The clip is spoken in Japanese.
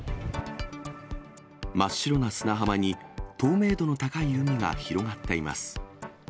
真っ白な砂浜に、透明度の高い海が広がっています。